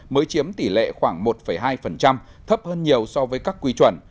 mới chiếm tỷ lệ khoảng một hai thấp hơn nhiều so với các quy chuẩn